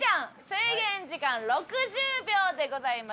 制限時間６０秒でございます。